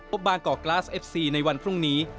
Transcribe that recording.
บางกอกกลาสเอฟซีในวันพรุ่งนี้